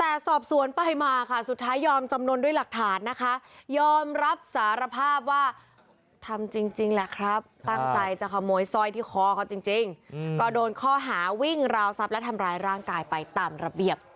เออคือเห็นเขาตกคลูน้ำก็จะช่วยเขา